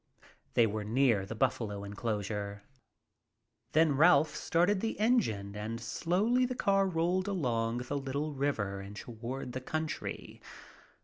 They were near the buffalo enclosure. Then Ralph started the engine and slowly the car rolled along the little river and toward the country.